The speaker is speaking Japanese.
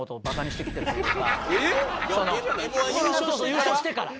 優勝してから。